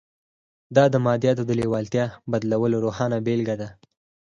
دا د مادیاتو د لېوالتیا بدلولو روښانه بېلګه ده